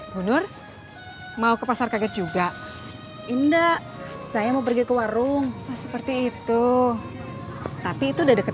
nur mau ke pasar kaget juga indah saya mau pergi ke warung seperti itu tapi itu udah dekat